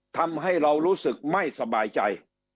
ทำให้เรารู้สึกไม่สบายใจ